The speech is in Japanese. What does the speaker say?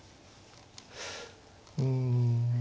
うん。